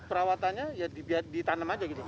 bambu jakarta nya ya ditanam saja gitu